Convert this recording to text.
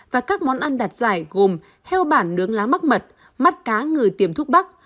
và các món ăn đạt giải gồm heo bản nướng lá mắc mật mắt cá ngừ tiềm thuốc bắc